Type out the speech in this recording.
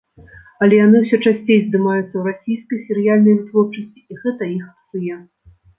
Але яны ўсё часцей здымаюцца ў расійскай серыяльнай вытворчасці, і гэта іх псуе.